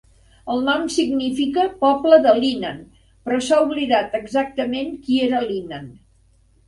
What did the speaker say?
El nom significa "Poble de Lynan", però s"ha oblidat exactament qui era Lynan.